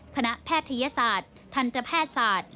แพทยศาสตร์ทันตแพทย์ศาสตร์